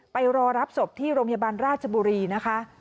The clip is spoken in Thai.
ไปร๒๖๐พที่โรมยาบาลราชบุรีนะคะ